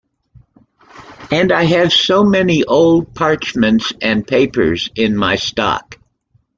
And I have so many old parchments and papers in my stock.